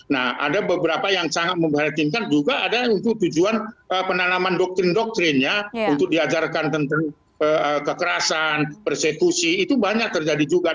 nah ada beberapa yang sangat memperhatinkan juga ada untuk tujuan penanaman doktrin doktrin ya untuk diajarkan tentang kekerasan persekusi itu banyak terjadi juga